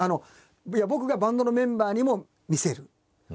僕がバンドのメンバーにも見せる。